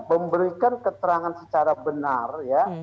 memberikan keterangan secara benar ya